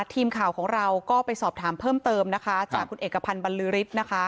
ทีมข่าวของเราก็ไปสอบถามเพิ่มเติมนะคะจากคุณเอกพันธ์บรรลือฤทธิ์นะคะ